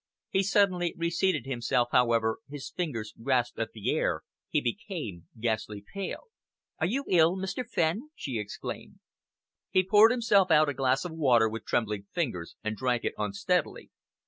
He suddenly reseated himself, however, his fingers grasped at the air, he became ghastly pale. "Are you ill, Mr. Fenn?" she exclaimed. He poured himself out a glass of water with trembling fingers and drank it unsteadily.